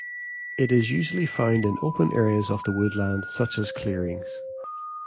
It is usually found in open areas of the woodland such as clearings.